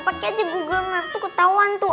pakai aja google malah tuh ketahuan tuh